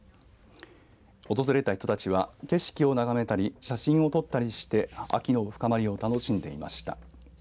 訪れた人たちは景色を眺めたり写真を撮ったりして秋の深まりを楽しんでいました。